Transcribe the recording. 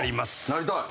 なりたい。